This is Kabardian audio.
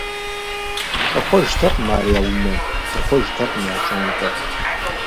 ЩӀэхуэжтэкъым ар я унэ, дэхуэжтэкъым я пщӀантӀэ.